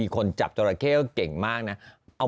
คนจับจราเข้ก็เก่งมากนะ